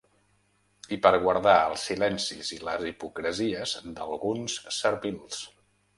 I per guardar els silencis i les hipocresies d'alguns servils.